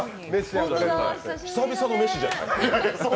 久々の飯じゃない？